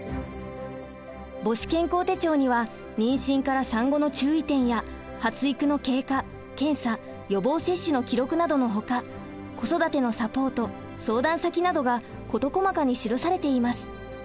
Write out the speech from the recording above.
母子健康手帳には妊娠から産後の注意点や発育の経過検査予防接種の記録などのほか子育てのサポート・相談先などが事細かに記されています。